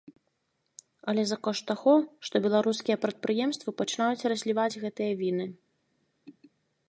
Але за кошт таго, што беларускія прадпрыемствы пачынаюць разліваць гэтыя віны.